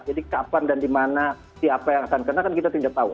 jadi kapan dan di mana siapa yang akan kena kan kita tidak tahu